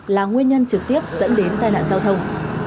là nguyên nhân trực tiếp dẫn đến tai nạn giao thông